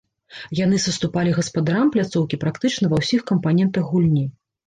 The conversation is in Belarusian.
Яны саступалі гаспадарам пляцоўкі практычна ва ўсіх кампанентах гульні.